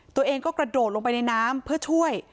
ตัวเองก็กระโดดลงไปในน้ำเพื่อช่วย